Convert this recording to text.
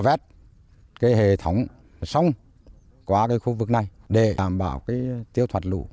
họ vét cái hệ thống sông qua cái khu vực này để đảm bảo cái tiêu thoạt lũ